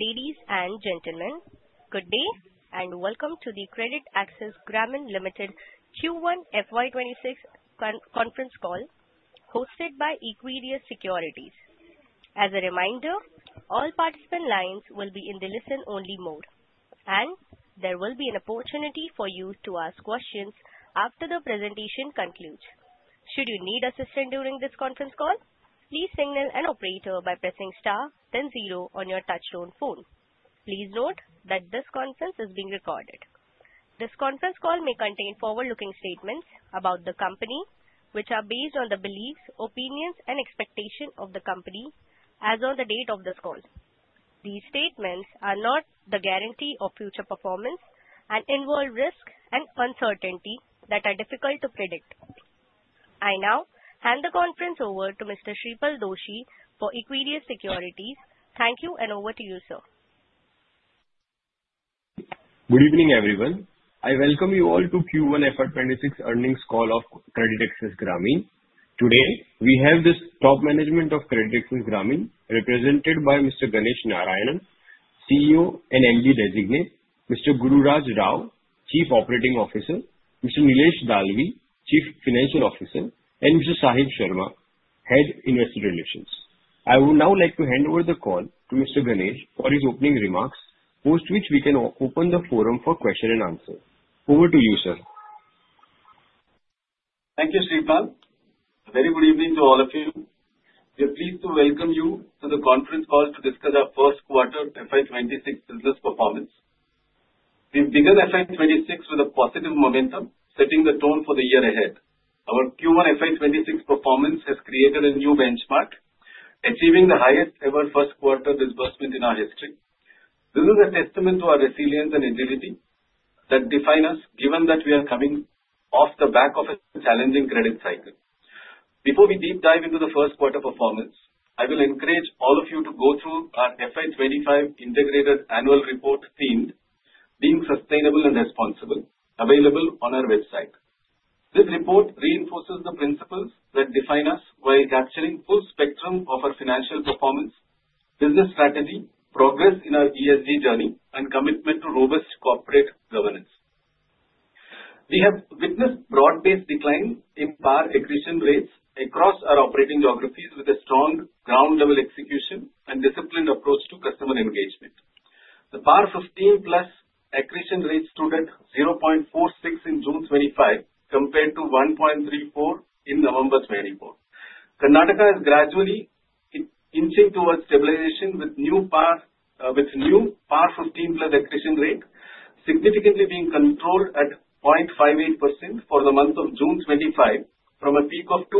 Ladies and gentlemen, good day and welcome to the CreditAccess Grameen Limited Q1 FY 2026 Conference Call hosted by Equirus Securities. As a reminder, all participant lines will be in the listen-only mode and there will be an opportunity for you to ask questions after the presentation concludes. Should you need assistance during this conference call, please signal an operator by pressing star then zero on your touchtone phone. Please note that this conference is being recorded. This conference call may contain forward-looking statements about the company which are based on the beliefs, opinions, and expectations of the company as on the date of this call. These statements are not the guarantee of future performance and involve risk and uncertainty that are difficult to predict. I now hand the conference over to Mr. Shreepal Doshi for Equirus Securities. Thank you, and over to you, sir. Good evening everyone. I welcome you all to Q1 FY 2026 earnings call of CreditAccess Grameen Limited. Today we have the top management of CreditAccess Grameen Limited represented by Mr. Ganesh Narayanan, CEO, and Mr. Gururaj Rao, Chief Operating Officer, Mr. Nilesh Dalvi, Chief Financial Officer, and Mr. Sahib Sharma, Head of Investor Relations. I would now like to hand over the call to Mr. Ganesh for his opening remarks, post which we can open the forum for question-and-answer. Over to you, sir. Thank you, Shreepal. A very good evening to all of you. We are pleased to welcome you to the Conference Call to discuss our First Quarter FY 2026 Business Performance. We began FY 2026 with a positive momentum, setting the tone for the year ahead. Our Q1 FY 2026 performance has created a new benchmark, achieving the highest ever first quarter disbursement in our history. This is a testament to our resilience and agility that define us, given that we are coming off the back of a challenging credit cycle. Before we deep dive into the first quarter performance, I will encourage all of you to go through our FY 2025 integrated annual report themed Being Sustainable and Responsible, available on our website. This report reinforces the principles that define us while capturing the full spectrum of our financial performance, business strategy, progress in our ESG journey, and commitment to robust corporate governance. We have witnessed broad-based decline in PAR accretion rates across our operating geographies with a strong ground level execution and disciplined approach to customer engagement. The PAR15+ accretion rate stood at 0.46% in June 2025 compared to 1.34% in November 2024. Karnataka is gradually inching towards stabilization with new PAR15+ accretion rate significantly being controlled at 0.58% for the month of June 2025 from a peak of 2%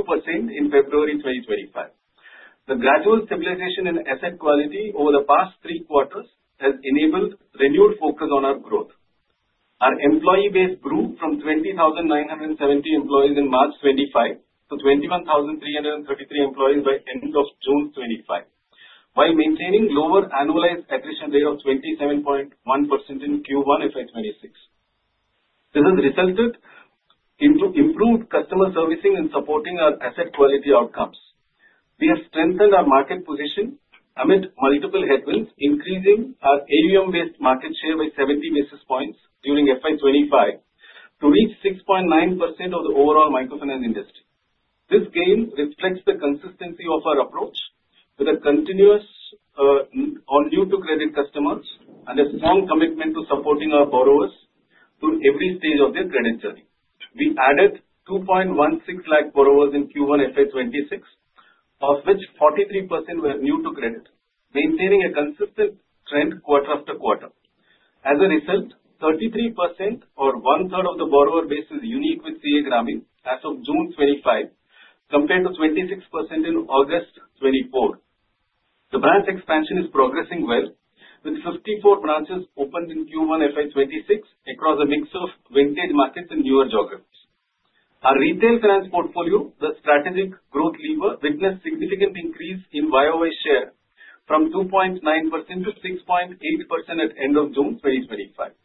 in February 2025. The gradual stabilization in asset quality over the past three quarters has enabled renewed focus on our growth. Our employee base grew from 20,970 employees in March 2025 to 21,333 employees by end of June 2025 while maintaining lower annualized attrition rate of 27.1% in Q1 FY 2026. This has resulted in improved customer servicing and supporting our asset quality outcomes. We have strengthened our market position amid multiple headwinds, increasing our AUM-based market share by 70 basis points during FY 2025 to reach 6.9% of the overall microfinance industry. This gain reflects the consistency of our approach with a continuous new-to-credit customers and a strong commitment to supporting our borrowers through every stage of their credit journey. We added 2.16 lakh borrowers in Q1 FY 2026 of which 43% were new to credit, maintaining a consistent trend quarter after quarter. As a result, 33% or 1/3 of the borrower base is unique with CreditAccess Grameen as of June 2025 compared to 26% in August 2024. The branch expansion is progressing well with 54 branches opened in Q1 FY 2026 across a mix of vintage markets and newer geographies. Our retail finance portfolio, the strategic growth lever, witnessed significant increase in YoY share from 2.9% to 6.8% at end of June 2025.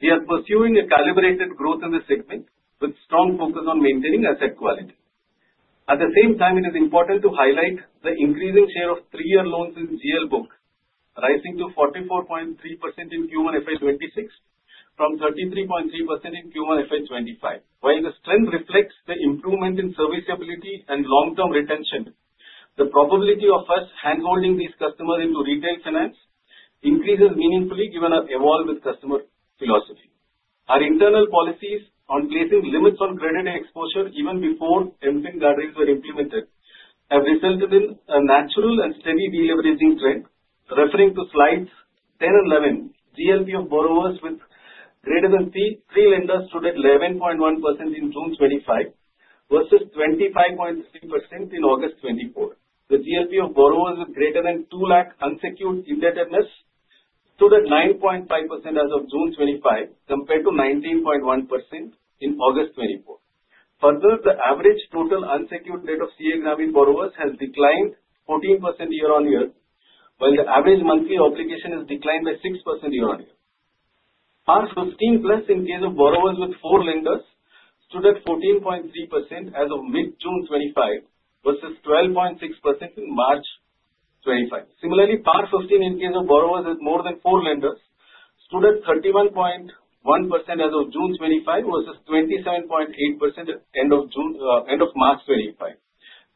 We are pursuing a calibrated growth in the segment with strong focus on maintaining asset quality. At the same time, it is important to highlight the increasing share of three-year-loans in GL book rising to 44.3% in Q1 FY 2026 from 33.3% in Q1 FY 2025. While the strength reflects the improvement in serviceability and long-term retention, the probability of us hand-holding these customers into retail finance increases meaningfully given our evolve with customer philosophy. Our internal policies on placing limits on credit exposure even before MFI guidelines were implemented have resulted in a natural and steady deleveraging trend. Referring to Slides 10 and 11, GLP of borrowers with greater than three lenders stood at 11.1% in June 2025 versus 25.3% in August 2024. The GLP of borrowers with greater than 200,000 unsecured indebtedness stood at 9.5% as of June 2025 compared to 19.1% in August 2024. Further, the average total unsecured debt of CreditAccess Grameen borrowers has declined 14% year on year while the average monthly obligation has declined by 6% year on year. PAR15+ in case of borrowers with four lenders stood at 14.3% as of mid-June 2025 versus 12.6% in March 2025. Similarly, PAR15+ in case of borrowers with more than four lenders stood at 31.1% as of June 2025 versus 27.8% end of March 2025.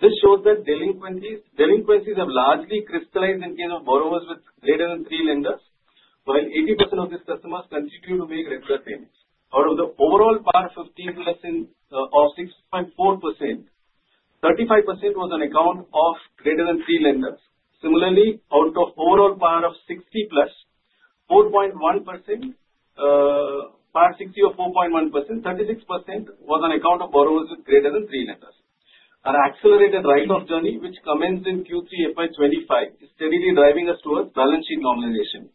This shows that delinquencies have largely crystallized in case of borrowers with greater than three lenders while 80% of these customers continue to make regular payments. Out of the overall PAR15+ of 6.4%, 35% was on account of greater than three lenders. Similarly, out of overall PAR60+ of 4.1%, 36% was on account of borrowers with greater than three lenders. Our accelerated write-off journey which commenced in Q3 FY 2025 is steadily driving us towards balance sheet normalization.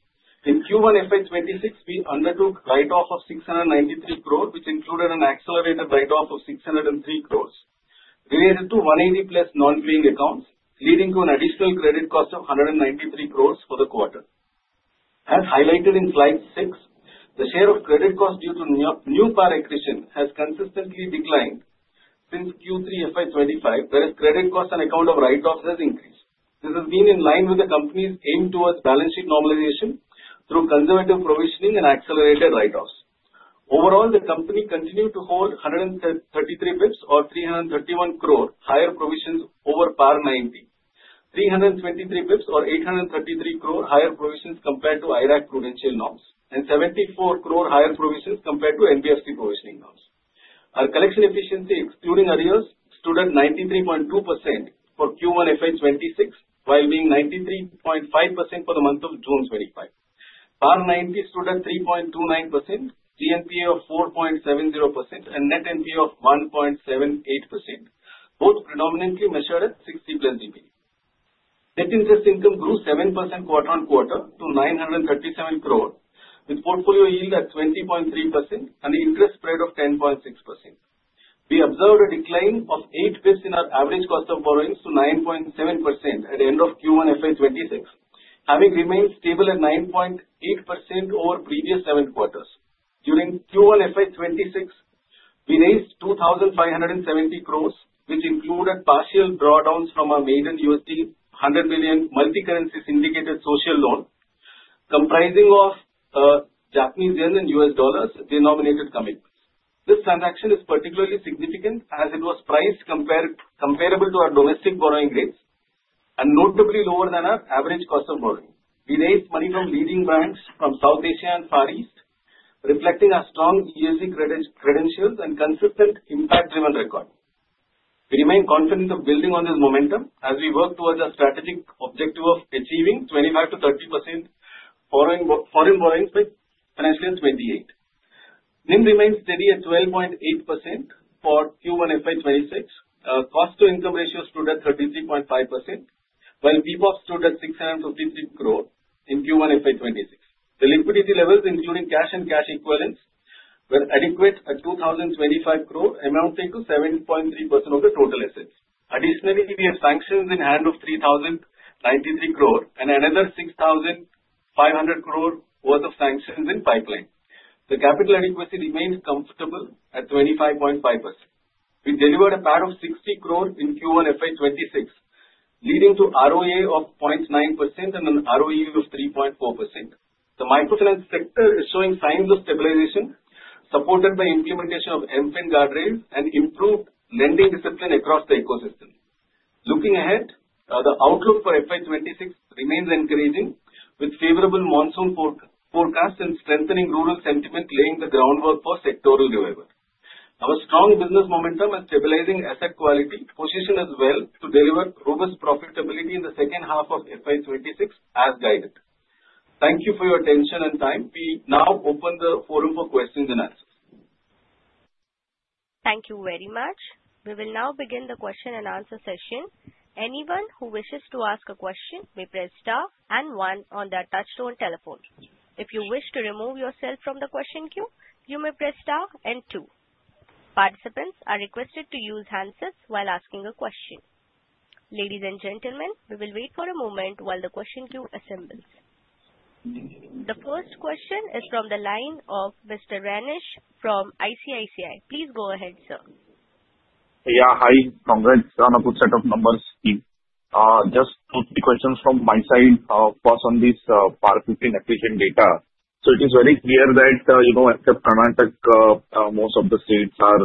In Q1 FY 2026 we undertook write-off of 693 crore, which included an accelerated write-off of 603 crore related to 180 plus non-paying accounts, leading to an additional credit cost of 193 crore for the quarter. As highlighted in Slide 6, the share of credit cost due to new PAR accretion has consistently declined since Q3 FY 2025, whereas credit cost on account of write-offs has increased. This has been in line with the Company's aim towards balance sheet normalization through conservative provisioning and accelerated write-offs. Overall, the Company continued to hold 133 bps or 331 crore higher provisions over PAR90, 323 bps or 833 crore higher provisions compared to IRAC prudential norms, and 74 crore higher provisions compared to NBFC provisioning norms. Our collection efficiency excluding arrears stood at 93.2% for Q1 FY 2026, while being 93.5% for the month of June 2025. PAR90 stood at 3.29%, GNPA of 4.70%, and net NPA of 1.78%, both predominantly measured at 60 plus DPD. Net interest income grew 7% quarter on quarter to 937 crore, with portfolio yield at 20.3% and interest spread of 10.6%. We observed a decline of 8 bps in our average cost of borrowings to 9.7% at the end of Q1 FY 2026, having remained stable at 9.8% over the previous seven quarters. During Q1 FY 2026 we raised 2,570 crore, which included partial drawdowns from our maiden USD 100 million multi-currency syndicated social loan comprising Japanese Yen and U.S. Dollar denominated commitments. This transaction is particularly significant as it was priced comparable to our domestic borrowing rates and notably lower than our average cost of borrowing. We raised money from leading banks from South Asia and Far East, reflecting our strong ESG credentials and consistent impact-driven record. We remain confident of building on this momentum as we work towards our strategic objective of achieving 25% to 30% foreign borrowings by financial year 2028. NIM remains steady at 12.8% for Q1 FY 2026, cost to income ratio stood at 33.5%, while PPOP stood at 653 crore. In Q1 FY 2026 the liquidity levels including cash and cash equivalents were adequate at 2,025 crore, amounting to 7.3% of the total assets. Additionally, we have sanctions in hand of 3,093 crore and another 6,500 crore worth of sanctions in pipeline. The capital adequacy remains comfortable at 25.5%. We delivered a PAT of 60 crore in Q1 FY 2026, leading to ROA of 0.9% and an ROE of 3.4%. The microfinance sector is showing signs of stabilization, supported by implementation of MFIN guardrails and improved lending discipline across the ecosystem. Looking ahead, the outlook for FY 2026 remains encouraging with favorable monsoon forecast and strengthening rural sentiment laying the groundwork for sectoral revival. Our strong business momentum and stabilizing asset quality positioned us well to deliver robust profitability in the second half of FY 2026 as guided. Thank you for your attention and time. We now open the forum for questions and answers. Thank you very much. We will now begin the question and answer session. Anyone who wishes to ask a question may press STAR and 1 on their touchtone telephone. If you wish to remove yourself from the question queue, you may press STAR and 2. Participants are requested to use handsets while asking a question. Ladies and gentlemen, we will wait for a moment while the question queue assembles. The first question is from the line of Mr. Renish from ICICI. Please go ahead, sir. Yeah, hi. Congrats on a good set of numbers. Just two, three questions from my side. First, on this PAR15 accretion data, it is very clear that, you know, except Karnataka, most of the states are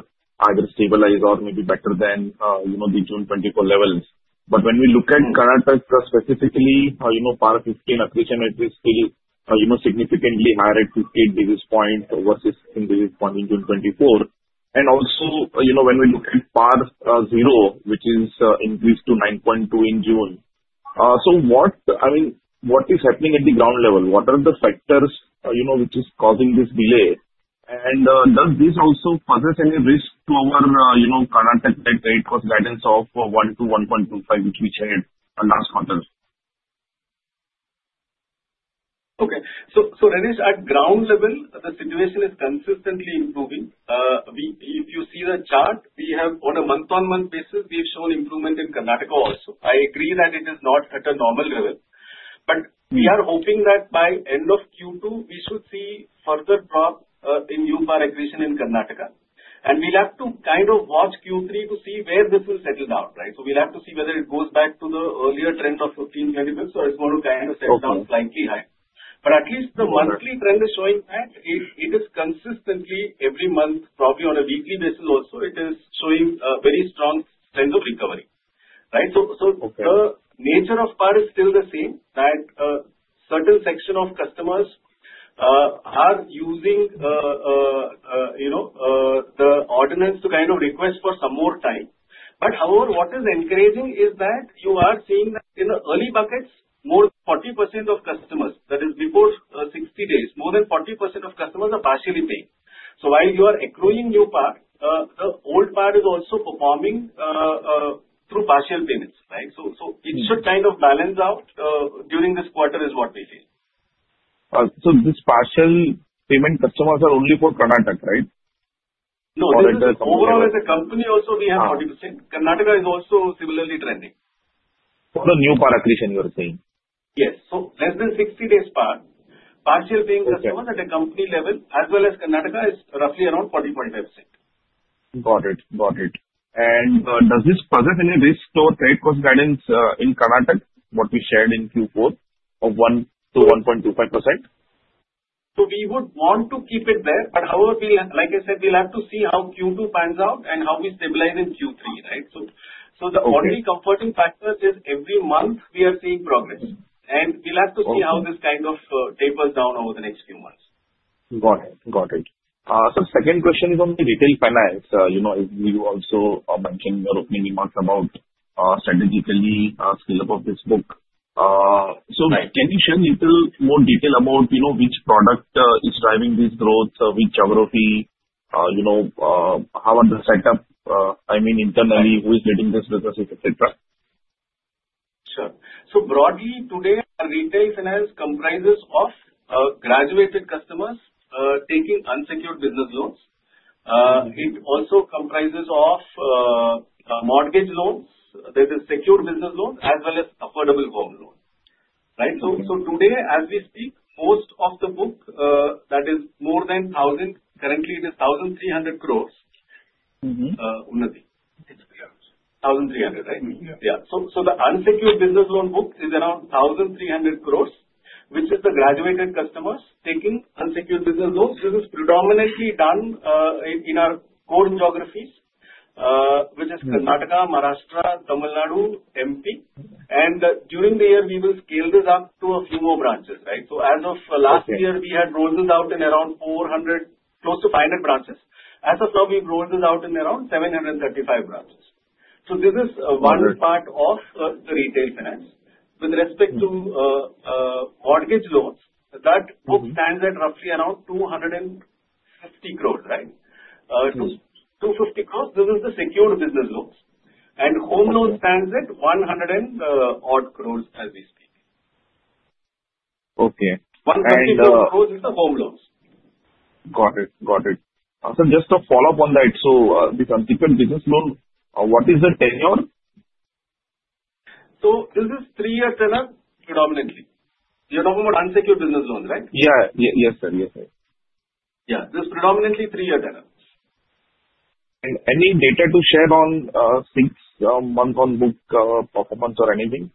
either stabilized or maybe better than, you know, the June 2024 levels. When we look at Karnataka specifically, you know, PAR15 accretion rate is still, you know, significantly higher at 58 basis points versus 16 basis points in June 2024. Also, you know, when we look at PAR0, which has increased to 9.2% in June. What is happening at the ground level? What are the factors, you know, which are causing this delay and does this also pose any risk to our, you know, Karnataka guidance of 1% to 1.25% which we shared last quarter? At ground level, the situation is consistently improving. If you see the chart we have, on a month-on-month basis we have shown improvement in Karnataka also. I agree that it is not at a normal level. We are hoping that by end of Q2 we should see further drop in new PAR accretion in Karnataka. We will have to kind of watch Q3 to see where this will settle down. We will have to see whether it goes back to the earlier trends of 15-20 bps or it is going to kind of settle down slightly higher. At least the monthly trend is showing that it is consistently, every month, probably on a weekly basis also, it is showing very strong sense of recovery. The nature of PAR is still the same, that certain section of customers are using the ordinance to kind of request for some more time. However, what is encouraging is that you are seeing in the early buckets, more than 40% of customers, that is before 60 days, more than 40% of customers are partially paying. While you are accruing new PAR, the old PAR is also performing through partial payments. It should kind of balance out during this quarter is what we feel. These partial payment customers are only for Karnataka, right? No, overall as a company also we have 40%. Karnataka is also similarly trending for the new PAR accretion, you are saying? Yes. Less than 60 days PAR partial paying customers at a company level as well as Karnataka is roughly around 40.5%. Got it, got it. Does this pose any risk to our credit cost guidance in Karnataka, what we shared in Q4 of 1 to 1.25%? We would want to keep it there. However, like I said, we will have to see how Q2 pans out and how we stabilize in Q3. The only comforting factor is every month we are seeing progress and we'll have to see how this kind of tapers down over the next few months. Got it, got it. Second question is on the retail finance. You also mentioned in your opening remarks about strategically scaling up of this book. Can you share a little more detail about which product is driving this growth, which geography, how are the setup, I mean internally, who is getting this business, etc. Sure. Broadly today retail finance comprises of graduated customers taking unsecured business loans. It also comprises of mortgage loans, i.e. secured business loans as well as affordable home loans. Today as we speak most of the book that is more than 1,000 crore. Currently this is 1,300 crore. 1,300, right. Yeah. The unsecured business loan book is around 1,300 crore which is the graduated customers taking unsecured business loans. This is predominantly done in our core geographies which is Karnataka, Maharashtra, Tamil Nadu, MP and during the year we will scale this up to a few more branches. Right. As of last year we had rolled this out in around 400, close to 500 branches. As of now we've rolled this out in around 735 branches. This is one part of the retail finance. With respect to mortgage loans that book stands at roughly around 250 crore, right? 250 crore. This is the secured business loans and home loan stands at 100 odd crore as we speak. Okay, got it, got it. Just a follow up on that. This entrepreneur business loan, what is the tenure? This is three year tenor predominantly. You're talking about unsecured business loan, right? Yeah. Yes sir. Yes. This is predominantly three year tenor. Any data to share on six month on book performance or anything?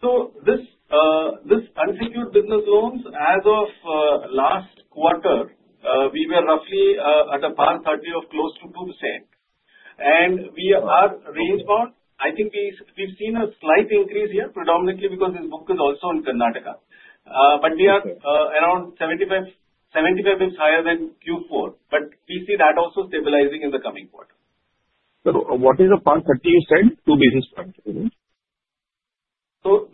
This unsecured business loans as of last quarter we were roughly at a PAR30 of close to 2% and we are range bound. I think we've seen a slight increase here predominantly because this book is also in Karnataka. We are around 75 bps higher than Q4. We see that also stabilizing in the coming quarter. What is the PAR30 you said, two basis points?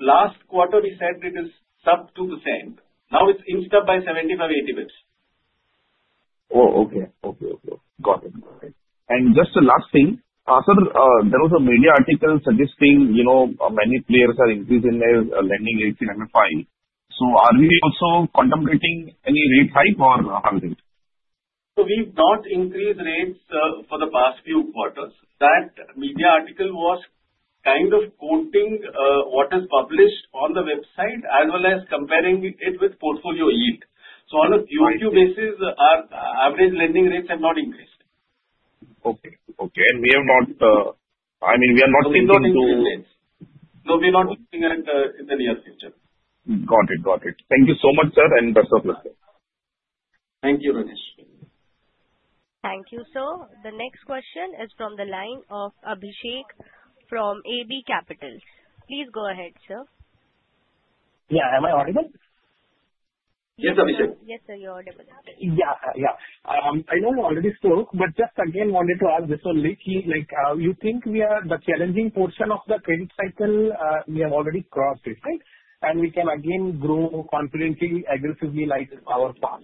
Last quarter we said it is sub 2%. Now it's inched up by 75-80 bps. Oh okay, okay, got it. Just the last thing, sir, there was a media article suggesting many players are increasing their lending rates in MFI. Are we also contemplating any rate hike or how is it? We've not increased rates for the past few quarters. That media article was quoting what is published on the website as well as comparing it with portfolio yield. On a QoQ basis, our average lending rates have not increased. We are not seeing, no, we are not in the near future. Got it. Thank you so much, sir, and best of luck. Thank you. Thank you, sir. The next question is from the line of Abhishek from AB Capital. Please go ahead, sir. Yeah, am I audible? Yes, sir, you're audible. Yeah, I know you already spoke, but just again wanted to ask this one. Like, you think we are the challenging portion of the credit cycle? We have already crossed it. Right. We can again grow confidently, aggressively like our plan.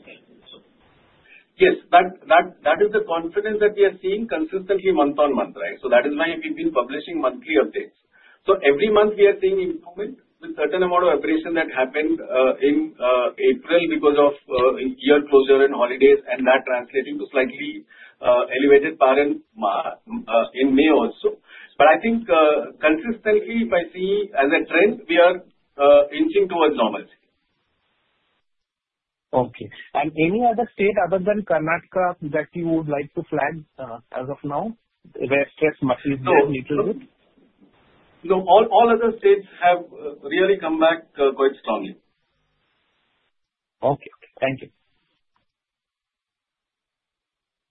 Yes, that is the confidence that we are seeing consistently month on month. That is why we have been publishing monthly updates. Every month we are seeing improvement with a certain amount of operation that happened in April because of year closure and holidays, and that is translating to slightly elevated PAR in May also. I think consistently, if I see as a trend, we are inching towards normalcy. Any other state other than Karnataka that you would like to flag as of now where stress must be? No, all other states have really come back quite strongly. Thank you.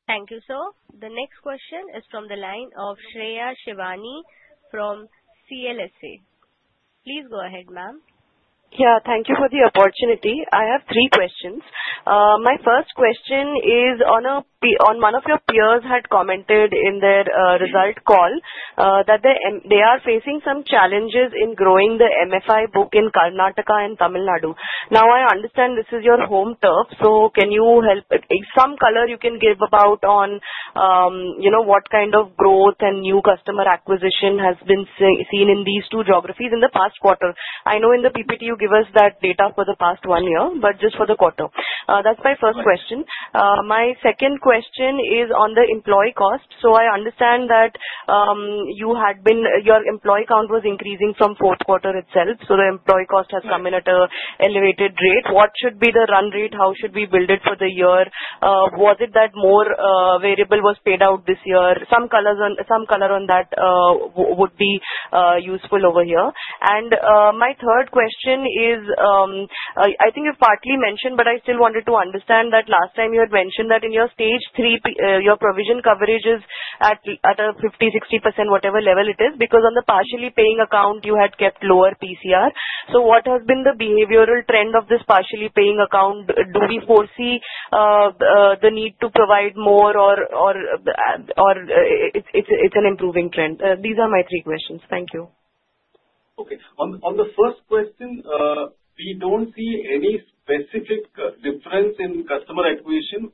Thank you, sir. The next question is from the line of Shreya Shivani from CLSA. Please go ahead, ma'am. Yeah. Thank you for the opportunity. I have three questions. My first question is on one of your peers had commented in their result call that they are facing some challenges in growing the MFI book in Karnataka and Tamil Nadu. Now I understand this is your home turf, so can you help some color you can give about on what kind of growth and new customer acquisition has been seen in these two geographies in the past quarter? I know in the PPT you give us that data for the past one year, but just for the quarter. That's my first question. My second question is on the employee cost. I understand that you had been, your employee count was increasing from fourth quarter itself. The employee cost has come in at an elevated rate. What should be the run rate? How should we build it for the year? Was it that more variable was paid out this year? Some color on that would be useful over here. My third question is I think you partly mentioned but I still wanted to understand that last time you had mentioned that in your stage three, your provision coverage is at a 50, 60% whatever level it is because on the partially paying account you had kept lower PCR. What has been the behavioral trend of this partially paying account? Do we foresee the need to provide more or it's an improving trend? These are my three questions. Thank you. Okay, on the first question, we don't see any specific difference in customer acquisition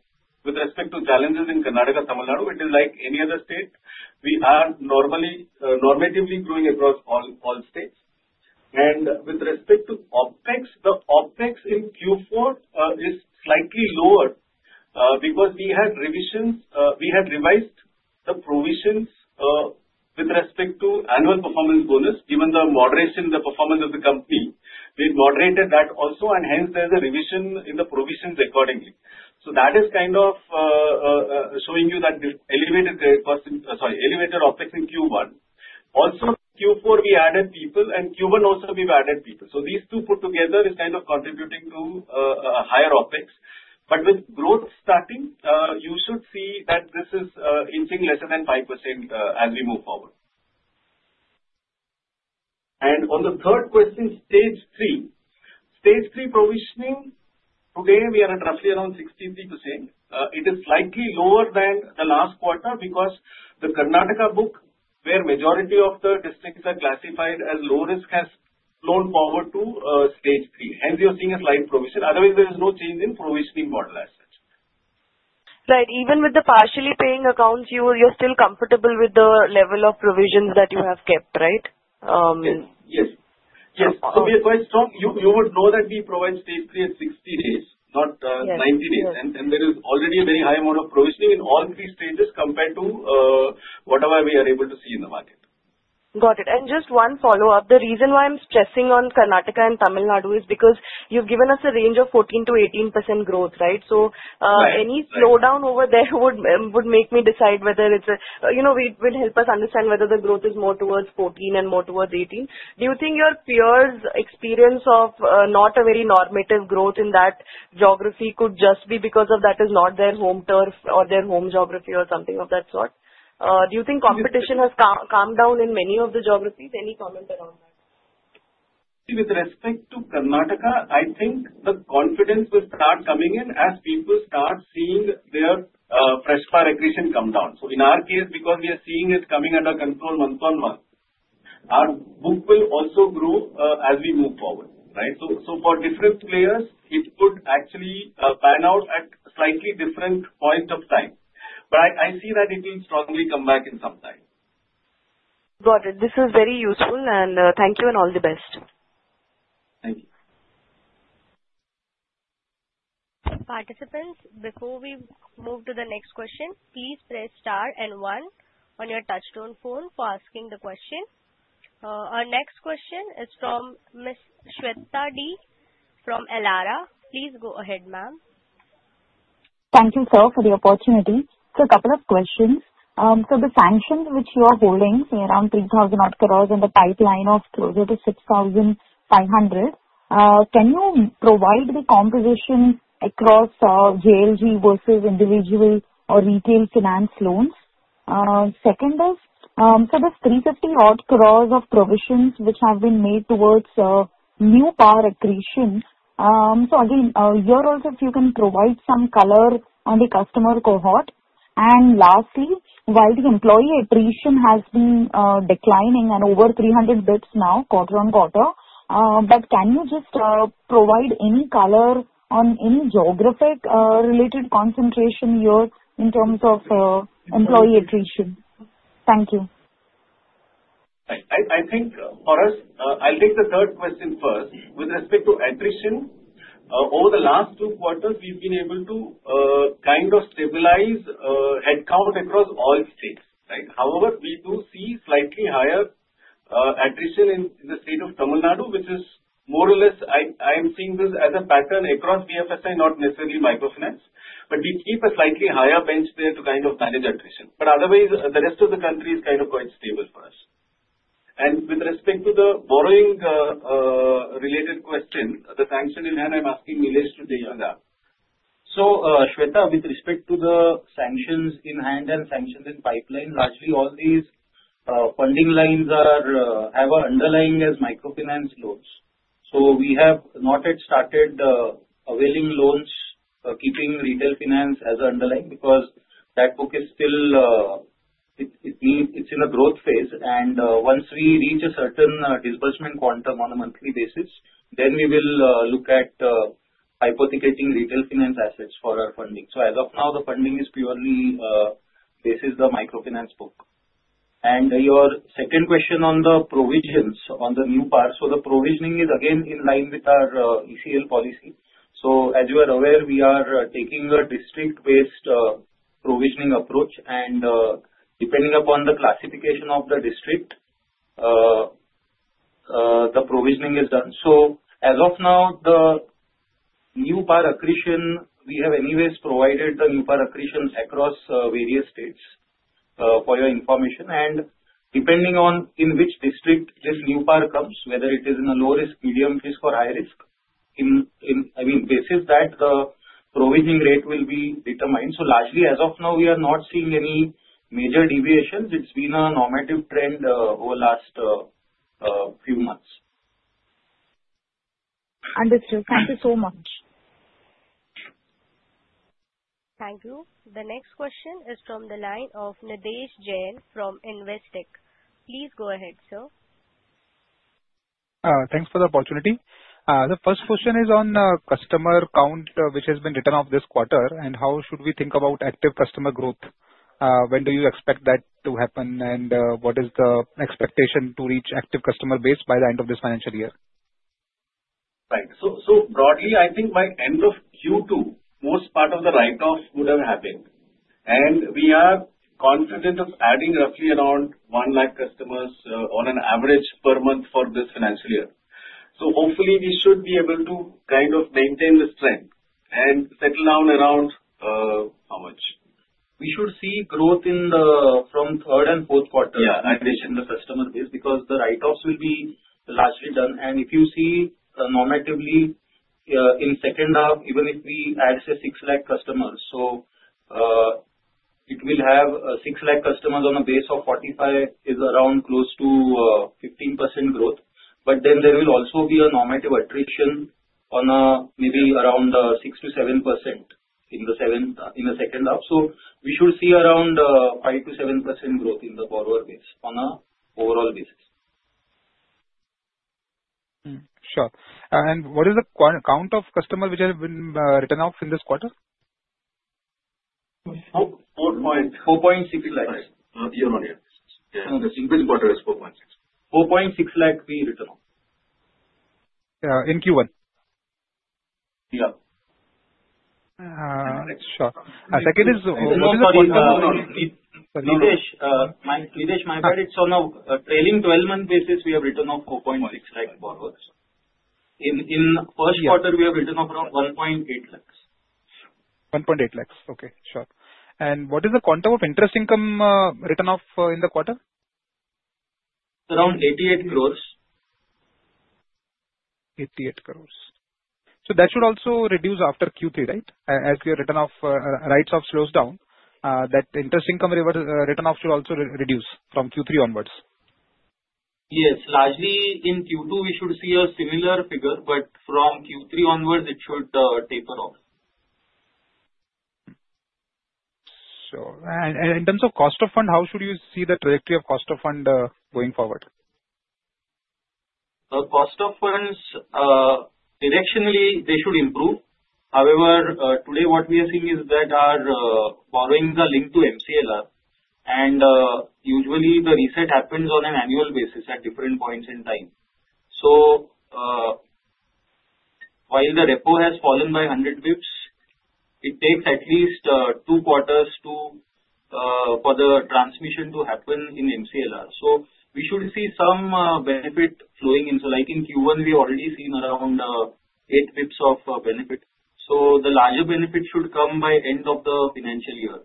with respect to challenges in Karnataka, Tamil Nadu, it is like any other state. We are normatively growing across all states. With respect to OpEx, the OpEx in Q4 is slightly lower because we had revisions. We have revised the provisions with respect to annual performance bonus. Given the moderation, the performance of the company, we moderated that also. Hence, there's a revision in the provisions accordingly. That is kind of showing you that elevated cost, sorry, elevated OpEx in Q1 also. Q4 we added people and Q1 also we've added people. These two put together is kind of contributing to higher OpEx. With growth starting, you should see that this is inching lesser than 5% as we move forward. On the third question, stage three, stage three provisioning. Today we are at roughly around 63%. It is slightly lower than the last quarter because the Karnataka book where majority of the districts are classified as low risk has flown forward to stage three. Hence you are seeing a slight provision. Otherwise, there is no change in provisioning model assets. Right. Even with the partially paying accounts, you're still comfortable with the level of provisions that you have kept, right? Yes, yes. We are quite strong. You would know that we provide state free at 60 days, not 90 days. There is already a very high amount of provisioning in all three stages compared to whatever we are able to see in the market. Got it. Just one follow up. The reason why I am stressing on Karnataka and Tamil Nadu is because you have given us a range of 14 to 18% growth. Right. Any slowdown over there would make me decide whether it's, you know, it. Will help us understand whether the growth. Is more towards 14 and more towards 18. Do you think your peers' experience of not a very normative growth in that geography could just be because that is not their home turf or their home geography or something of that sort? Do you think competition has calmed down in many of the geographies? Any comment around that? With respect to Karnataka, I think the confidence will start coming in as people start seeing their fresh PAR accretion come down. In our case, because we are seeing it coming under control month on month, our book will also grow as we move forward. For different players, it could actually pan out at slightly different point of time. I see that it will strongly come back in some time. Got it. This is very useful, and thank you and all the best. Thank you. Participants, before we move to the next question, please press star and one on your touchstone phone for asking the question. Our next question is from Ms. Shweta D from Elara. Please go ahead, ma'am. Thank you, sir, for the opportunity. A couple of questions. The sanctions which you are holding, say around 3,000 crore, and the pipeline of closer to 6,000 crore, can you provide the composition across JLG versus individual or retail finance loans? For this 350 crore of provisions which have been made towards new PAR accretion, if you can provide some color on the customer cohort. Lastly, while the employee attrition has been declining and over 300 bps now quarter on quarter, can you provide any color on any geographic-related concentration here in terms of employee attrition? Thank you. I think for us I'll take the third question first. With respect to attrition over the last two quarters we've been able to kind of stabilize headcount across all states. However, we do see slightly higher attrition in the state of Tamil Nadu, which is more or less, I am seeing this as a pattern across BFSI, not necessarily microfinance, but we keep a slightly higher bench there to kind of manage attrition. Otherwise, the rest of the country is quite stable for us. With respect to the borrowing related question, the sanction in hand, I'm asking Nilesh to dig on that. So Shweta, with respect to the sanctions in hand and sanctions in pipeline, largely all these funding lines have an underlying as microfinance loans. We have not yet started availing loans keeping retail finance as underlying because that book is still in a growth phase and once we reach a certain disbursement quantum on a monthly basis, then we will look at hypothecating retail finance assets for our funding. As of now, the funding is purely the microfinance book. Your second question on the provisions on the new PAR, the provisioning is again in line with our ECL policy. As you are aware, we are taking a district-based provisioning approach and depending upon the classification of the district, the provisioning is done. As of now, the new PAR accretion, we have anyways provided the new PAR accretion across various states for your information and depending on in which district this new PAR comes, whether it is in a low risk, medium risk or high risk, basis that the provisioning rate will be determined. Largely as of now we are not seeing any major deviations. It's been a normative trend over last few months. Understood. Thank you so much. Thank you. The next question is from the line of Nidhesh Jain from Investec. Please go ahead, sir. Thanks for the opportunity. The first question is on customer count which has been written off this quarter and how should we think about active customer growth? When do you expect that to happen? What is the expectation to reach active customer base by the end of this financial year? Right. Broadly, I think by end of Q2 most part of the write-off would have happened and we are confident of adding roughly around 1 lakh customers on an average per month for this financial year. Hopefully, we should be able to kind of maintain this trend and settle down around how much we should see growth in the third and fourth quarter in the customer base because the write-offs will be largely done. If you see normatively in the second half, even if we add say 6 lakh customers, it will have 6 lakh customers on a base of 45, which is around close to 15% growth. There will also be a normative attrition of maybe around 6 to 7% in the second half. We should see around 5 to 7% growth in the borrower base on an overall basis. Sure. What is the count of customers which has been written off in this quarter? 4.6 lakh. Year-on-year, the single quarter is 4.6. 4.6 lakh. We wrote off in Q1. my bad, it's on a trailing twelve month basis. We have written off 4.6 lakh borrowers. In first quarter, we have written off 1.8 lakh. 1.8 lakh. Okay, sure. What is the quantum of interest income written off in the quarter? Around 88 crore. 88 crore. That should also reduce after Q3. Right. As your write-offs slow down, that interest income written off should also reduce from Q3 onwards. Yes, largely in Q2 we should see a similar figure but from Q3 onwards it should taper off. In terms of cost of fund, how should you see the trajectory of cost of fund going forward? Cost of funds, directionally they should improve. However, today what we are seeing is that our borrowings are linked to MCLR and usually the reset happens on an annual basis at different points in time. While the repo has fallen by 100 bps, it takes at least two quarters for the transmission to happen in MCLR. We should see some benefit flowing in. In Q1 we already saw around 8 bps of benefit. The larger benefit should come by end of the financial year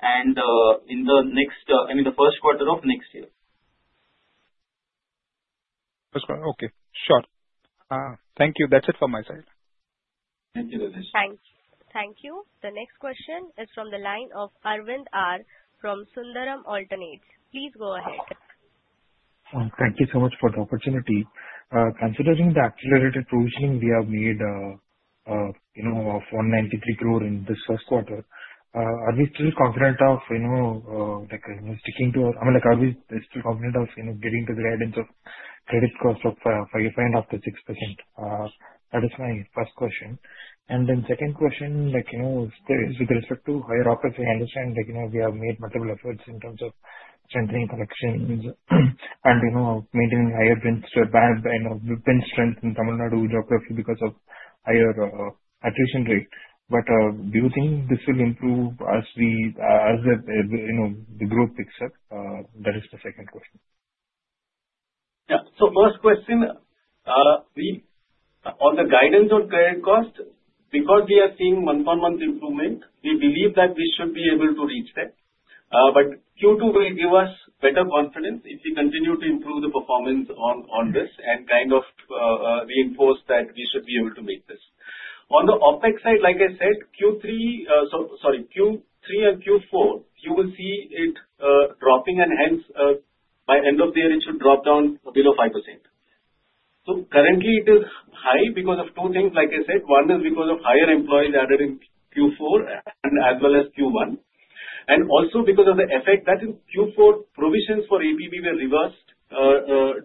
and in the first quarter of next year. Okay, sure. Thank you. That's it for my side. Thank you. Thank you. The next question is from the line of Arvind R from Sundaram Alternate Assets. Please go ahead. Thank you so much for the opportunity. Considering the accelerated provisioning we have made, you know, of 193 crore in this first quarter, are we still confident of, you know, like sticking to, I mean, like are we still confident of, you know, getting to the guidance of credit cost of 5% and up to 6%? That is my first question. The second question, like, you know, with respect to higher OpEx, I understand, like, you know, we have made multiple efforts in terms of centering collections and, you know, maintaining higher bench strength in Tamil Nadu geography because of higher attrition rate. Do you think this will improve as, you know, the growth picks up? That is the second question. Yeah. So, first question, we, on the guidance on credit cost, because we are seeing month-on-month improvement, we believe that we should be able to reach that. Q2 will give us better confidence if we continue to improve the performance on this and kind of reinforce that we should be able to make this on the OpEx side. Like I said, Q3, sorry, Q3 and Q4, you will see it dropping and hence by end of the year it should drop down below 5%. Currently it is high because of two things, like I said. One is because of higher employees added in Q4 and as well as Q1, and also because of the effect that in Q4 provisions for APB were reversed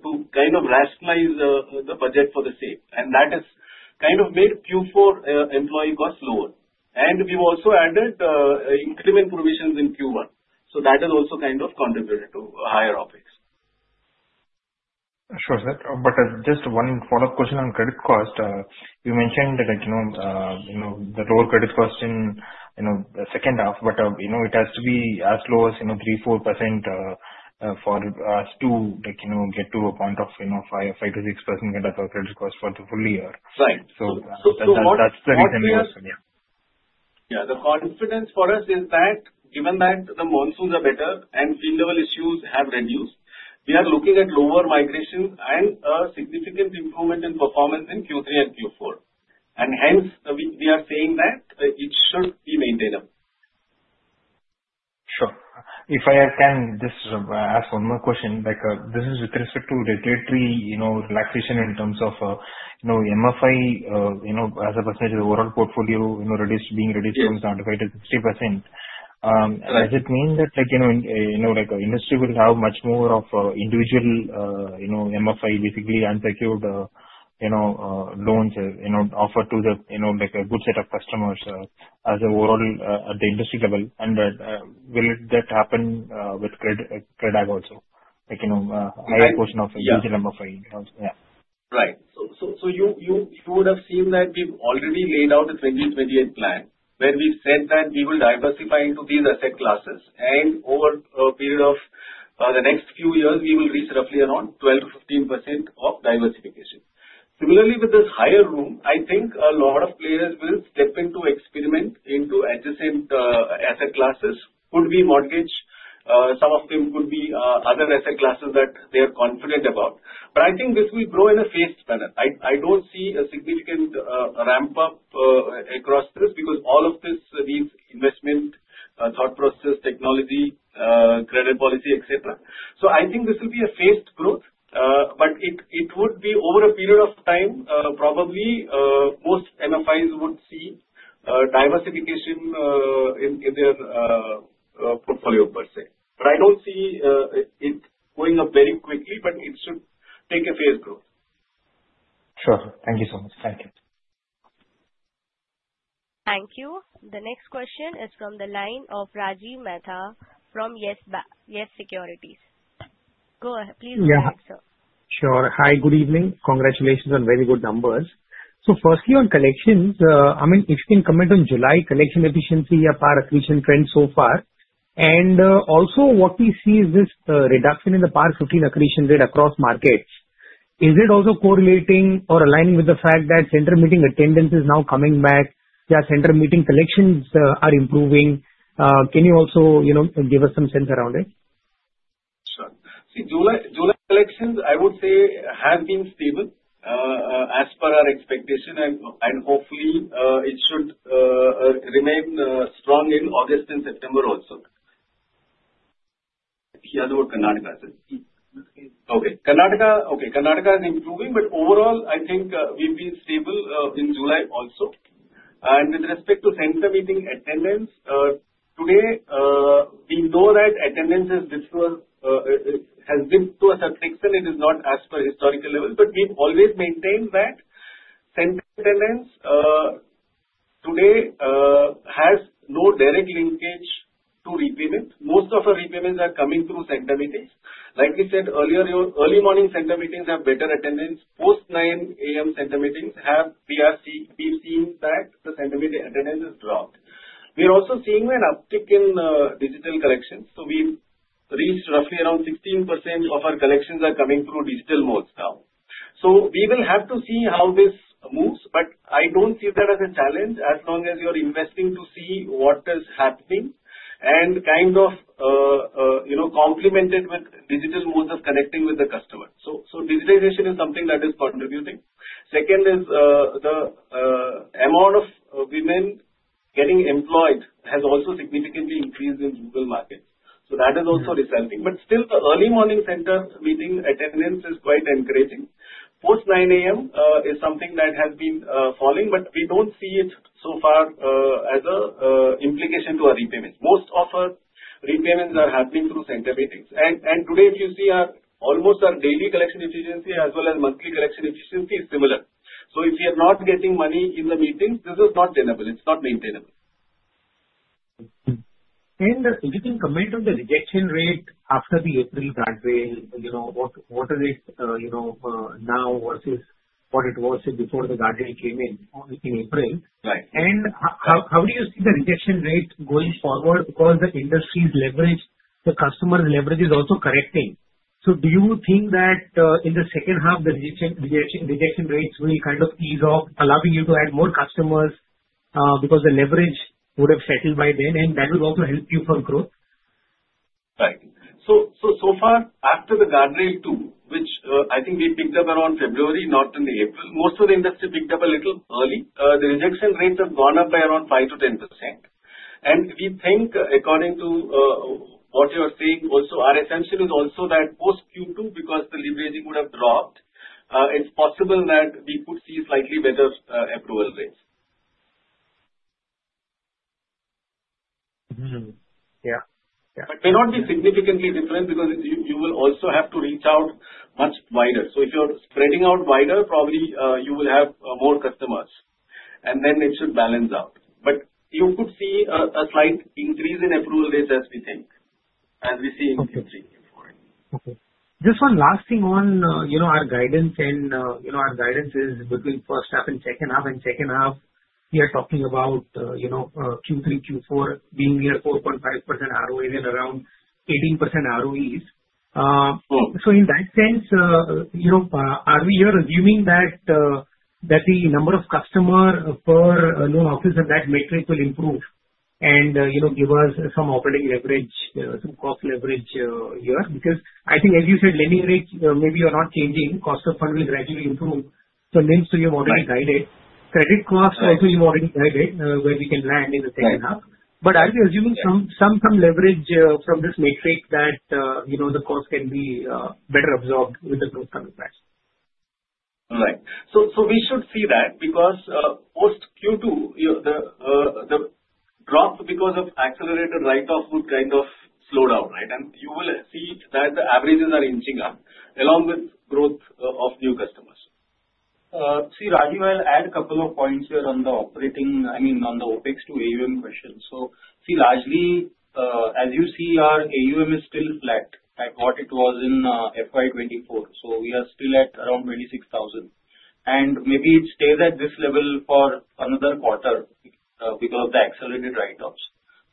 to kind of rationalize the budget for the same. That has kind of made Q4 employee cost lower and we've also added increment provisions in Q1. That has also kind of contributed to higher OpEx. Sure, sir, but just one follow-up question on credit cost. You mentioned that, you know, the lower credit cost in the second half, but it has to be as low as 3%, 4% for us to get to a point of 5% to 6% of credit cost for the full year. That's the reason. Yeah, the confidence for us is that given that the monsoons are better and field level issues have reduced, we are looking at lower migrations and a significant improvement in performance in Q3 and Q4 and hence we are saying that it should be maintainable. Sure. If I can just ask one more question. This is with respect to regulatory, you know, relaxation in terms of, you know, MFI, you know, as a percentage of the overall portfolio, you know, being reduced from 75% to 60%. Does it mean that, like, you know, the industry will have much more of individual, you know, MFI, basically unsecured, you know, loans, you know, offered to the, you know, like a good set of customers as a overall at the industry level? Will that happen with CreditAccess Grameen also, like, you know, higher portion of—yeah. Right. You would have seen that we've already laid out a 2028 plan where we've said that we will diversify into these asset classes, and over a period of the next few years we will reach roughly around 12 to 15% of diversification. Similarly, with this higher room, I think a lot of players will step in to experiment into adjacent asset classes. Could be mortgage, some of them could be other asset classes that they are confident about. I think this will grow in a phased manner. I don't see a significant ramp up across this because all of this means investment, thought process, technology, credit policy, etc. I think this will be a phased growth, but it would be over a period of time. Probably most MFIs would see diversification in their portfolio per se, but I don't see it going up very quickly. It should take a phased growth. Sure. Thank you so much. Thank you. Thank you. The next question is from the line of Rajiv Mehta from Yes Securities. Go ahead please. Go ahead, sir. Sure. Hi, good evening. Congratulations on very good numbers. Firstly, on collections, if you can comment on July collection efficiency trend so far and also what we see is this reduction in the PAR15 accretion rate across markets. Is it also correlating or aligning with the fact that central meeting attendance is now coming back? Yeah. Center meeting collections are improving. Can you also give us some sense around it? Sure. See, July collections I would say have been stable as per our expectation and hopefully it should remain strong in August and September also. Hear the word Karnataka. Okay. Karnataka. Okay. Karnataka is improving. Overall, I think we've been stable in July also. With respect to center meeting attendance today, we know that attendance has dipped to a substitution. It is not as per historical level. We've always maintained that center attendance today has no direct linkage to repayment. Most of our repayments are coming through center meetings. Like we said earlier, early morning center meetings have better attendance. Post 9:00 A.M. center meetings have, we've seen that the center meeting attendance has dropped. We're also seeing an uptick in digital collections. We reached roughly around 16% of our collections are coming through digital modes now. We will have to see how this, but I don't see that as a challenge as long as you're investing to see what is happening and kind of, you know, complement it with digital modes of connecting with the customer. Digitialization is something that is contributing. Second is the amount of women getting employed has also significantly increased in rural markets. That is also resulting. Still, the early morning center meeting attendance is quite encouraging. Post 9:00 A.M. is something that has been falling, but we don't see it so far as an implication to our repayments. Most of our repayments are happening through Center Meetings and today if you see, almost our daily Collection Efficiency as well as monthly collection efficiency is similar. If you are not getting money in the meetings, this is not tenable, it's not maintainable. You can comment on the rejection rate after the April guardrail. You know, what is it you know now versus what it was before the Guardrail came in April. Right. How do you see the rejection rate going forward? Because the industry's leverage, the customer leverage is also correcting. Do you think that in the second half the rejection rates will kind of ease off allowing you to add more customers? Because the leverage would have settled by then and that will also help you for growth. Right. So far after the Guardrail II, which I think we picked up around February, not in April, most of the industry picked up a little early. The rejection rates have gone up by around 5 to 10% and we think according to what you are saying also our assumption is also that post Q2 because deleveraging would have dropped, it's possible that we could see slightly better approval rates. It may not be significantly different because you will also have to reach out much wider. If you're spreading out wider, probably you will have more customers and then it should balance out. You could see a slight increase in approval rates as we think as we see in Q3, Q4. Just one last thing on our guidance and our guidance is between first half and second half and second half we are talking about Q3, Q4 being near 4.5% ROA and around 18% ROEs. In that sense, are we here assuming that the number of customers per loan office in that metric will improve and give us some operating leverage, some cost leverage here because I think as you said lending rate, maybe you're not changing, cost of fund will gradually improve. So NIM, you've already guided credit cost. I think you've already guided where we can land in the second half. Are we assuming some leverage from this metric that the cost can be better absorbed with the growth coming price? Right. We should see that because post Q2 the drop because of accelerated write-off would kind of slow down. You will see that the averages are inching up along with growth of new customers. See Rajiv, I'll add a couple of points here on the operating, I mean on the OpEx to AUM question. Largely as you see our AUM is still flat at what it was in FY 2024 so we are still at around 26,000 and maybe it stays at this level for another quarter because of the accelerated write-offs.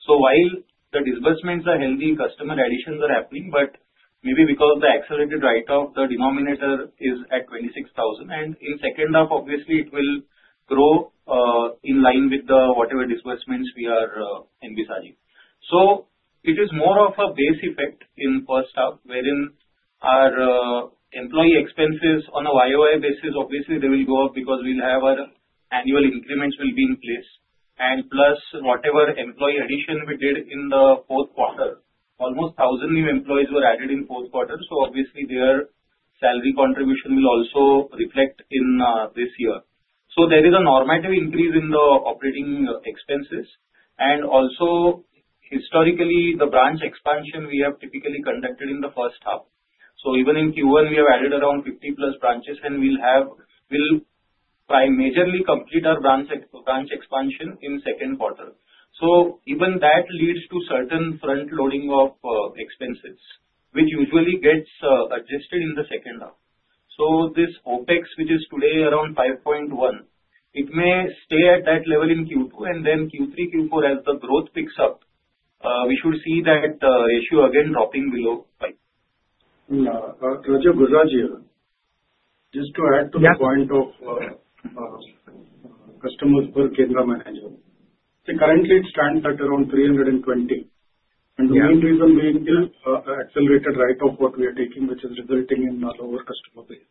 While the disbursements are healthy, customer additions are happening. Maybe because the accelerated write-off the denominator is at 26,000 and in second half obviously it will grow in line with whatever disbursements we are envisaging. It is more of a base effect in first half wherein our employee expenses on a YoY basis obviously they will go up because we will have our annual increments will be in place and plus whatever employee addition we did in the fourth quarter, almost 1,000 new employees were added in fourth quarter so obviously their salary contribution will also reflect in this year. There is a normative increase in the operating expenses and also historically the branch expansion we have typically conducted in the first half. Even in Q1 we have added around 50 plus branches and we'll primarily complete our branch expansion in the second quarter. Even that leads to certain front-loading of expenses which usually gets adjusted in the second half. This OpEx, which is today around 5.1, may stay at that level in Q2 and then Q3 and Q4 as the growth picks up we should see that ratio again dropping below 5. Just to add to the point of customers per Kendra Manager, currently it stands at around 320 and the main reason being accelerated write-off we are taking, which is resulting in a lower customer base.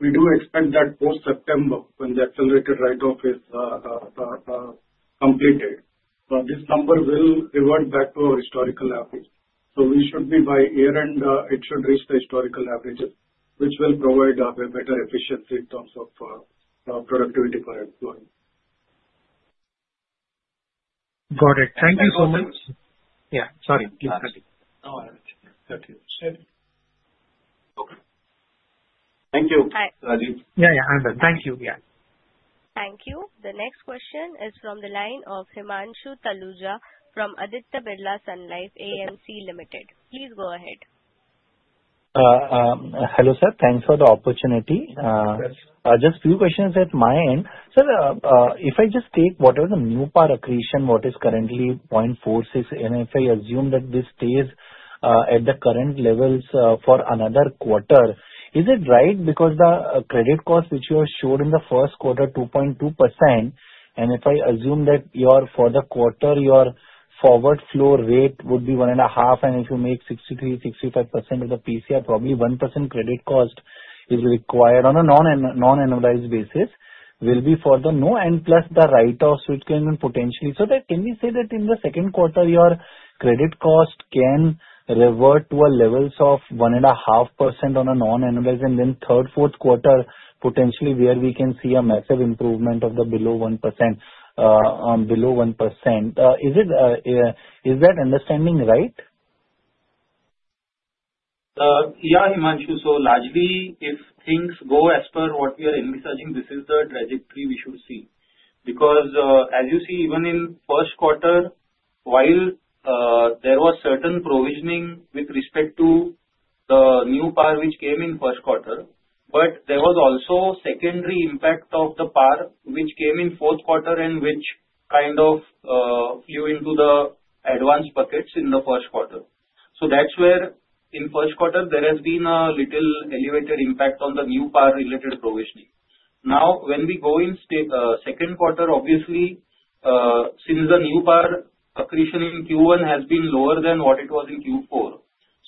We do expect that post September, when the accelerated write-off is completed, this number will revert back to our historical application. By year end it should reach the historical averages, which will provide a better efficiency in terms of productivity for employment. Got it. Thank you so much. Yeah. Sorry. Thank you. Yeah, yeah. Thank you. Thank you. The next question is from the line of Himanshu Taluja from Aditya Birla Sun Life AMC Limited. Please go ahead. Hello sir. Thanks for the opportunity. Just a few questions at my end. Sir, if I just take whatever the new PAR accretion, what is currently 0.46%, and if I assume that this stays at the current levels for another quarter, is it right? Because the credit cost which you have showed in the first quarter is 2.2%. If I assume that for the quarter your forward flow rate would be 1.5%, and if you make 63-65% of the PCR, probably 1% credit cost is required on a non-annualized basis for the no and plus the write-offs which can potentially, so can we say that in the second quarter your credit cost can revert to levels of 1.5% on a non-annualized and then third, fourth quarter potentially where we can see a massive improvement of below 1%. Below 1%. Is that understanding right? Yeah, Himanshu. So largely if things go as per what we are envisaging, this is the trajectory we should see. As you see, even in the first quarter while there was certain provisioning with respect to the new PAR which came in the first quarter, there was also a secondary impact of the PAR which came in the fourth quarter and which kind of flowed into the advance buckets in the first quarter. That's where in the first quarter there has been a little elevated impact on the new PAR-related provisioning. Now when we go in the second quarter, obviously since the new PAR accretion in Q1 has been lower than what it was in Q4,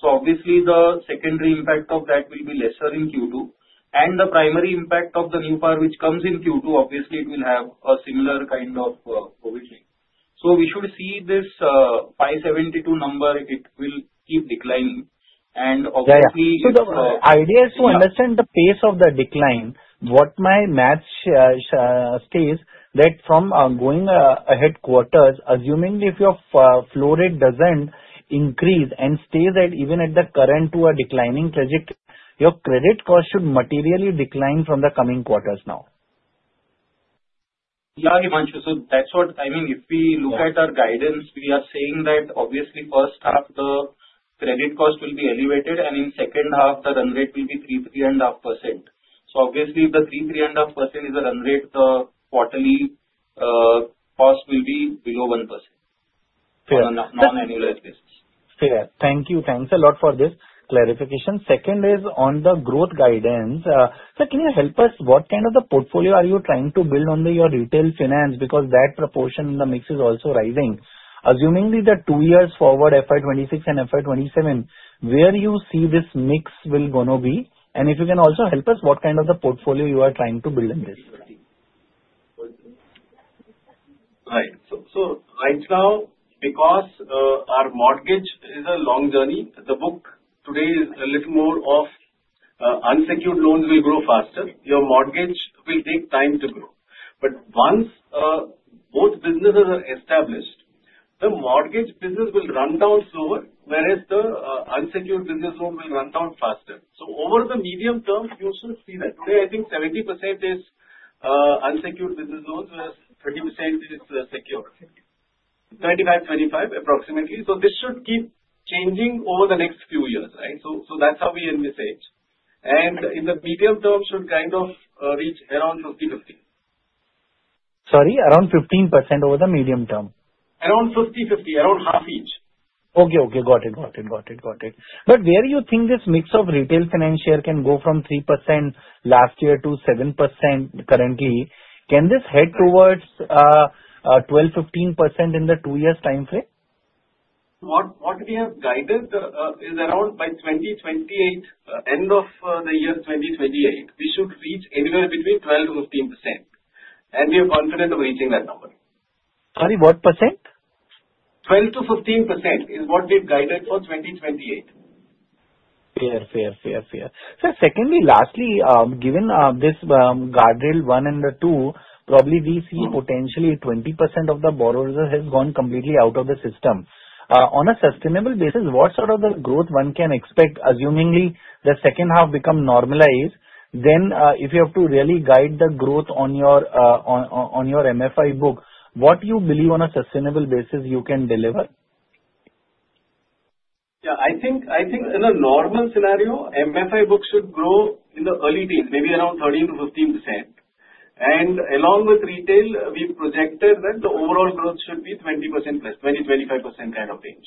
the secondary impact of that will be lesser in Q2 and the primary impact of the new PAR which comes in Q2, obviously it will have a similar kind of provisioning. We should see this 572 number, it will keep declining. The idea is to understand the pace of the decline. What my math says that from going ahead quarters, assuming if your flow rate doesn't increase and stays at even at the current to a declining project, your credit cost should materially decline from the coming quarters now. Yeah, that's what I mean. If we look at our guidance, we are saying that obviously first half the credit cost will be elevated and in the second half the run rate will be 3-3.5%. The three, three and a half percent is a run rate. The quarterly cost will be below 1%. Fair. Thank you. Thanks a lot for this clarification. Second is on the growth guidance. Can you help us what kind of the portfolio are you trying to build on your retail finance? Because that proportion in the mix is also rising. Assuming the two years forward, FY 2026 and FY 2027, where you see this mix will going to be. If you can also help us what kind of the portfolio you are trying to build in this. Right, so right now, because our mortgage is a long journey, the book today is a little more of unsecured loans will grow faster. Your mortgage will take time to grow. Once both businesses are established, the mortgage business will run down slower whereas the unsecured business loan will run down faster. Over the medium term you should see that today I think 70% is unsecured business loans whereas 30% is secure, 25, 25 approximately. This should keep changing over the next few years. That's how we envisage and in the medium term should kind of reach around 50-50. Sorry, around 15%. Over the medium term around 50, 50. Around half each. Okay, got it, got it, got it, got it. Where you think this mix of retail finance share can go from 3% last year to 7% currently? Can this head towards 12, 15% in the two years time frame? What we have guided is around by 2028, end of the year 2028 we should reach anywhere between 12% to 15% and we are confident of reaching that number. Sorry, what percent? 12% to 15% is what we've guided for 2028. Fair, fair, fair, fair. Secondly, lastly, given this Guardrail 1 and 2, probably we see potentially 20% of the borrowers has gone completely out of the system on a sustainable basis. What sort of the growth one can expect assumingly the second half become not normalize? If you have to really guide the growth on your MFI book what you believe on a sustainable basis you can deliver. I think in a normal scenario MFI books should grow in the early teens, maybe around 13% to 15%. Along with retail, we projected that the overall growth should be 20% plus, 20%-25% kind of range.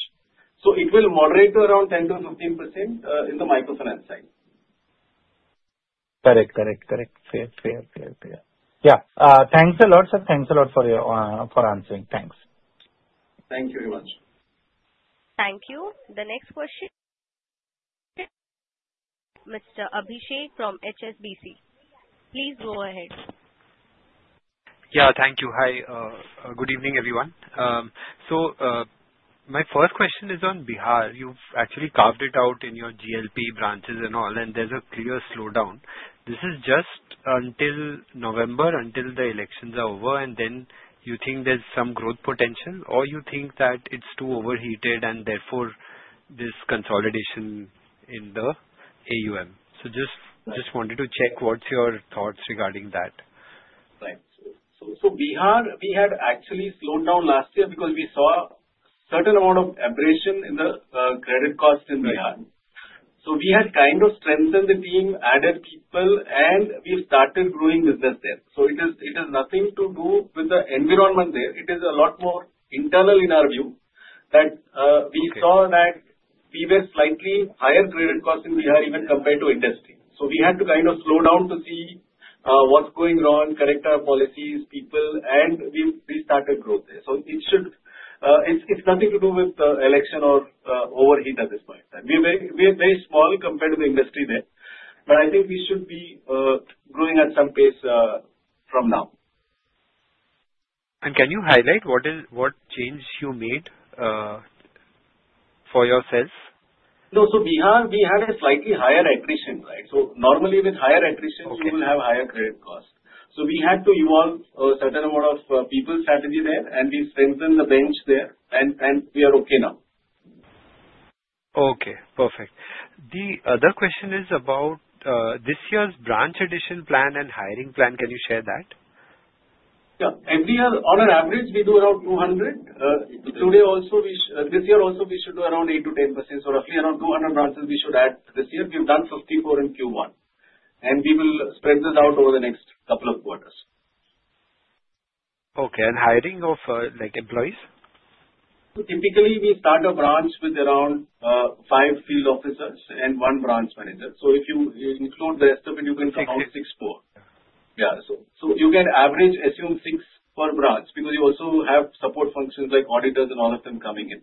It will moderate to around 10% to 15% in the Microfinance side. Correct? Correct, correct. Thanks a lot sir. Thanks a lot for your for answering. Thanks. Thank you very much. Thank you. The next question, Mr. Abhishek from HSBC, please go ahead. Yeah, thank you. Hi, good evening everyone. My first question is on Bihar. You've actually carved it out in your GLP, branches and all, and there's a clear slowdown. Is this just until November, until the elections are over, and then you think there's some growth potential, or you think that it's too overheated and therefore this consolidation in the AUM? Just wanted to check what's your thoughts regarding that. Bihar, we had actually slowed down last year because we saw a certain amount of abrasion in the credit cost in Bihar. We had kind of strengthened the team, added people, and we've started growing business there. It has nothing to do with the environment there. It is a lot more internal in our view that we saw that we were slightly higher credit cost in Bihar even compared to industry. We had to kind of slow down to see what's going on, correct our policies, people, and we started growth there. It's nothing to do with election or overheat at this point. We are very small compared to the industry there. I think we should be growing at some pace from now. Can you highlight what change you made for yourself? No. We had a slightly higher attrition. Normally with higher attrition you will have higher credit cost. We had to evolve a certain amount of people strategy there, and we strengthened the bench there, and we are okay now. Okay, perfect. The other question is about this year's branch addition plan and hiring plan. Can you share that? Every year on an average we do around 200. This year also we should do around 8%-10%. Roughly around 200 branches we should add. This year we've done 54 in Q1, and we will spread this out over the next couple of quarters. Okay. Hiring of employees, typically we start a branch with around five Field Officers and one Branch Manager. If you include the rest of it, you can count six, four. You can average assume six per branch because you also have support functions like auditors and all of them coming in.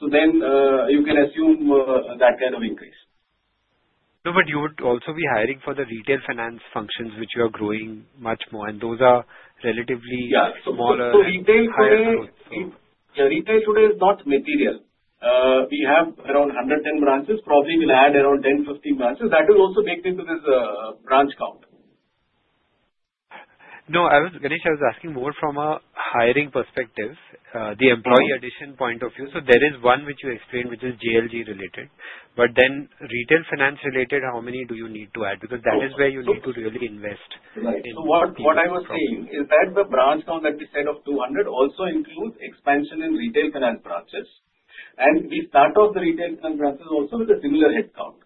You can assume that kind of increase. You would also be hiring for the Retail Finance functions, which you are growing much more, and those are relatively smaller. Retail today is not material. We have around 110 branches. Probably we'll add around 10-15 branches. That will also bake into this branch count. No, I was, Ganesh, I was asking more from a hiring perspective, the employee addition point of view. There is one which you explained which is JLG related, but then retail finance related. How many do you need to add? That is where you need to really invest. What I was saying is that the branch count that we said of 200 also includes expansion in Retail Finance Branches, and we start off the retail branches also with a similar headcount.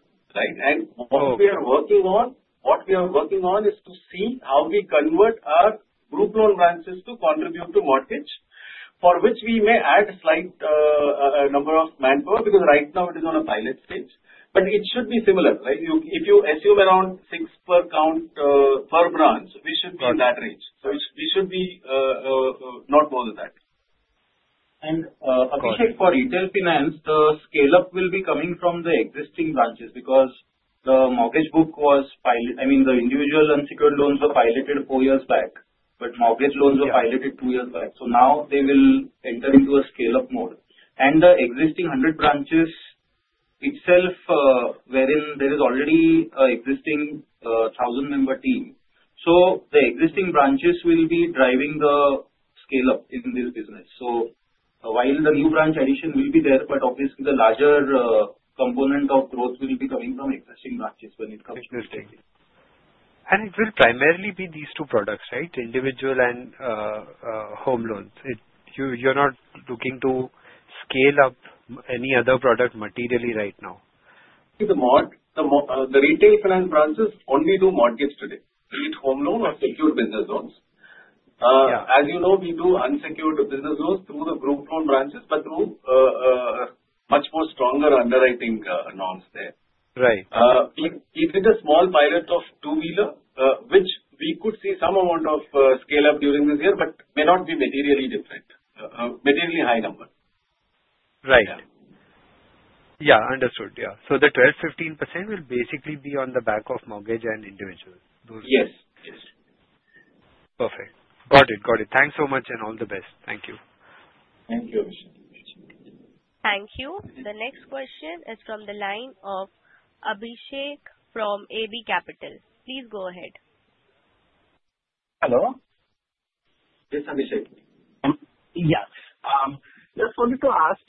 What we are working on is to see how we convert our Group Loan Branches to contribute to Mortgage, for which we may add a slight number of manpower because right now it is on a pilot stage. It should be similar if you assume around 6 per count per branch; we should be in that range. We should not be more than that. Abhishek, for Retail Finance, the scale up will be coming from the existing branches because the Mortgage Book was, I mean the Individual Unsecured Loans were piloted four years back, but Mortgage Loans were piloted two years back. Now they will enter into a scale up mode, and the existing 100 branches itself, wherein there is already an existing 1000-member team. The existing branches will be driving the scale up in this business. While the new branch addition will be there, quite obviously the larger component of growth will be coming from existing branches. It will primarily be these two products, right? Individual and Home Loans. You're not looking to scale up any other product materially. Right now the retail finance branches only do mortgage today, be it home loan or Secure Business Loans. As you know, we do Unsecured Business Loans through the Group Loan Branches, but through much more stronger Underwriting norms there. There is a small pilot of Two-Wheeler, which we could see some amount of scale up during this year, but may not be materially different, materially high number. Right, yeah, understood. Yeah. The 12-15% will basically be on the back of Mortgage and Individual. Yes, perfect. Got it, got it. Thanks so much and all the best. Thank you. Thank you, Thank you. The next question is from the line of Abhishek from AB Capital. Please go ahead. Hello. Yes, Abhishek. Yeah, just wanted to ask,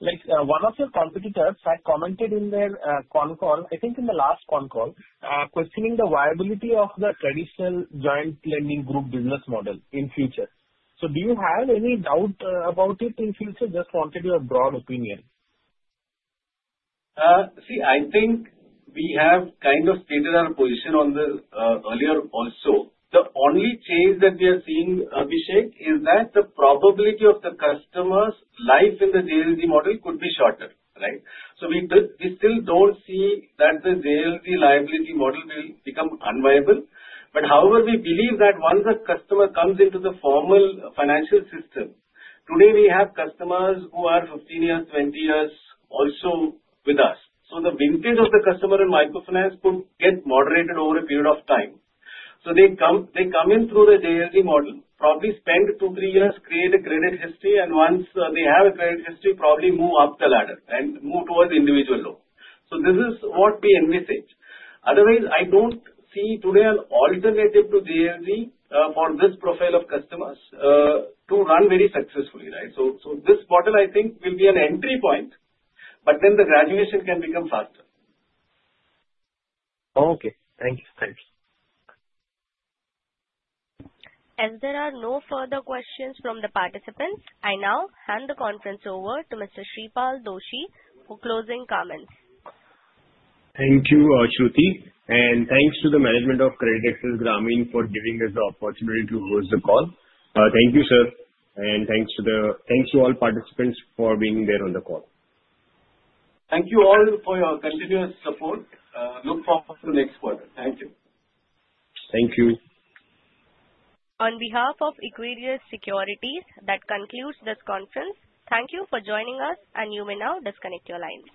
like one of your competitors had commented in their con call, I think the last con call, questioning the viability of the traditional Joint Lending Group business model in future. Do you have any doubt about it in future? Just wanted your broad opinion. See, I think we have kind of stated our position on the earlier also. The only change that we are seeing, Abhishek, is that the probability of the customer's life in the JLG Model could be shorter. We still don't see that the JLG liability model will become unviable. However, we believe that once a customer comes into the formal financial system, today we have customers who are 15 years, 20 years also with us. The vintage of the customer in Microfinance could get moderated over a period of time. They come in through the JLG model, probably spend two, three years, create a credit history, and once they have a credit history, probably move up the ladder and move towards Individual Loan. This is what we envisage. Otherwise, I don't see today an alternative to JLG for this profile of customers to run very successfully. Right. This model, I think, will be an entry point, but then the graduation can become faster. Okay, thank you. Thanks. As there are no further questions from the participants, I now hand the conference over to Mr. Shreepal Doshi for closing comments. Thank you, Shruti, and thanks to the management of CreditAccess Grameen Limited for giving us the opportunity to host the call. Thank you, sir. Thanks to all participants for being there on the call. Thank you all for your continuous support. Look forward to it. Thank you. Thank you On behalf of Equirus Securities. That concludes this conference. Thank you for joining us. You may now disconnect your lines.